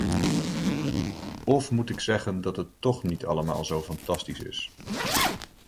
Of moet ik zeggen dat het toch niet allemaal zo fantastisch is?